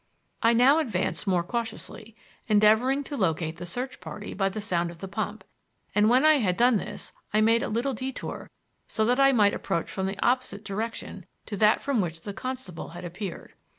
I now advanced more cautiously, endeavoring to locate the search party by the sound of the pump, and when I had done this I made a little detour so that I might approach from the opposite direction to that from which the constable had appeared.